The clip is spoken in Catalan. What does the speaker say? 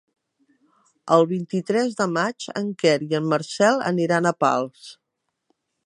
El vint-i-tres de maig en Quer i en Marcel aniran a Pals.